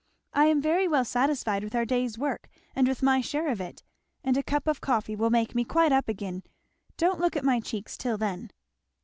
"I am very well satisfied with our day's work, and with my share of it, and a cup of coffee will make me quite up again. Don't look at my cheeks till then."